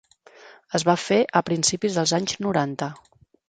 Es va fer a principis dels anys noranta.